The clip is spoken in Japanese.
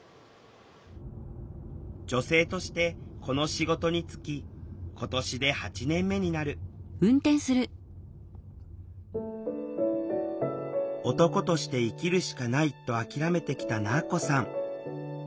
女性としてこの仕事に就き今年で８年目になる「男として生きるしかない」と諦めてきたなぁこさん。